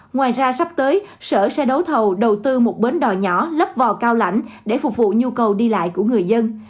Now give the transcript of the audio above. ngoài ra sắp tới sở sẽ đấu thầu đầu tư một bến đò nhỏ lấp vò cao lãnh để phục vụ nhu cầu đi lại của người dân